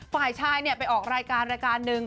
ฝ่ายชายไปออกรายการรายการหนึ่ง